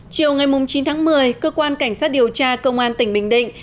chiều ngày chín tháng một mươi cơ quan cảnh sát điều tra công an tỉnh bình định